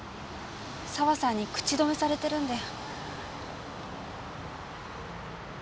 沢さんに口止めされてるんで。